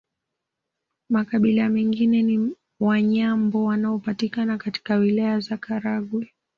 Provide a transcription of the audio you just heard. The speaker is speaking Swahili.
Makabila mengine ni Wanyambo wanaopatikana katika Wilaya za Karagwe